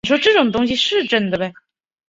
半决赛李云迪的发挥比第二轮更好。